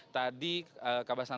tadi kabar sonar juga menunjukkan